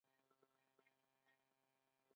موسيقي مو هم اورېده.